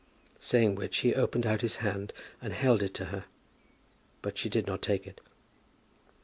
Saying which he opened out his hand, and held it to her. But she did not take it.